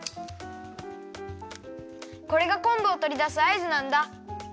これがこんぶをとりだすあいずなんだ！